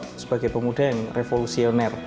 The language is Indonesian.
sebagai sosok sebagai pemuda yang revolusioner